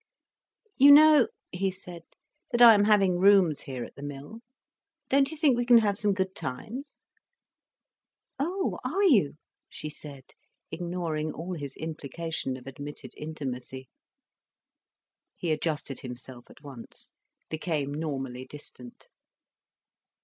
"You know," he said, "that I am having rooms here at the mill? Don't you think we can have some good times?" "Oh are you?" she said, ignoring all his implication of admitted intimacy. He adjusted himself at once, became normally distant.